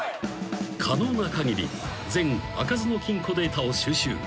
［可能な限り全開かずの金庫データを収集］